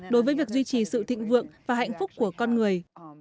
đối với việc duy trì sự thịnh vượng và hạnh phúc của con người